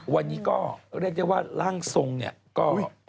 วันนี้ก็เรียกได้ว่าร่างทรงเนี่ยก็